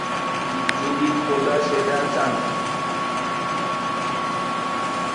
যদি খোদা সেটা চান।